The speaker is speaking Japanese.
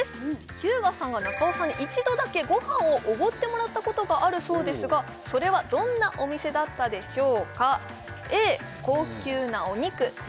日向さんが中尾さんに一度だけごはんをおごってもらったことがあるそうですがそれはどんなお店だったでしょうか